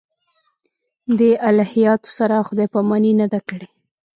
دې الهیاتو سره خدای پاماني نه ده کړې.